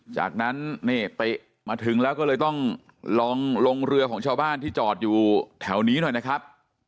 จากนั้นนี่ไปมาถึงแล้วก็เลยต้องลองลงเรือของชาวบ้านที่จอดอยู่แถวนี้หน่อยนะครับ